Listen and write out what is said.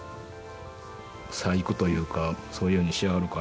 細工というかそういうふうにしはるから。